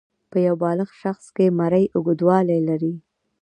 په یو بالغ شخص کې مرۍ اوږدوالی لري.